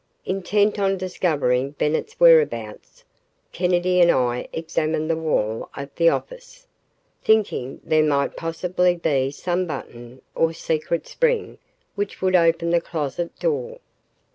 Intent on discovering Bennett's whereabouts, Kennedy and I examined the wall of the office, thinking there might possibly be some button or secret spring which would open the closet door.